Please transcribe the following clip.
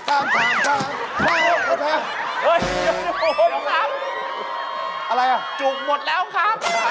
อะไรอ่ะจุกหมดแล้วครับ